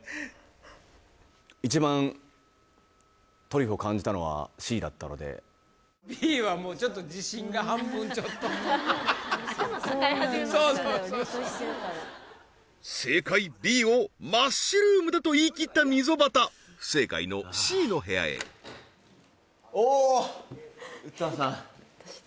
一番トリュフを感じたのはＣだったのでそうそうそうそう正解Ｂをマッシュルームだと言いきった溝端不正解のＣの部屋へおおー詩さん